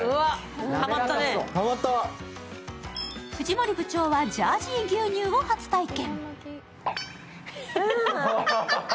藤森部長はジャージー牛乳を初体験。